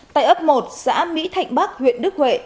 tại ấp một xã mỹ thạnh bắc huyện đức huệ